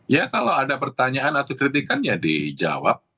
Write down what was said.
ya kalau ada pertanyaan atau kritikan ya dijawab